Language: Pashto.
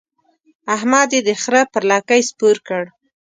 احمد يې د خره پر لکۍ سپور کړ.